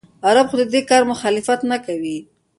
عرب خو د دې کار مخالفت نه کوي.